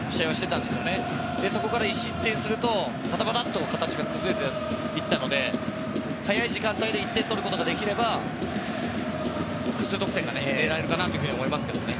ただ、そこから１失点するとバタバタと形が崩れていったので早い時間帯で１点取ることができれば複数得点が得られるかなと思いますけどね。